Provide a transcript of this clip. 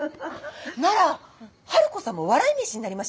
なら春子さんも笑い飯になりましょうよ！